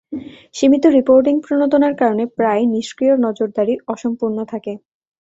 সীমিত রিপোর্টিং প্রণোদনার কারণে প্রায়ই নিষ্ক্রিয় নজরদারি অসম্পূর্ণ থাকে।